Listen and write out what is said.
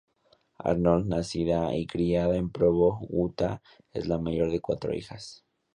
Arnold, nacida y criada en Provo, Utah, es la mayor de cuatro hijas.